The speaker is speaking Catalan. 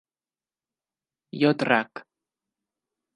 Jo et rac!